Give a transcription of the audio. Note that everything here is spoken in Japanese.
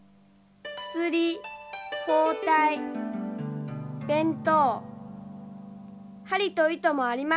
薬包帯弁当針と糸もありますか？